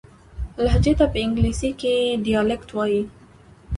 لهجې ته په انګلیسي کښي Dialect وایي.